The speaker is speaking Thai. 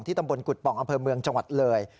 ตำบลกุฎป่องอำเภอเมืองจังหวัดเลย